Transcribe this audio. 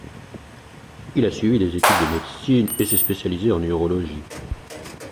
Il a suivi des études de médecine et s'est spécialisé en urologie.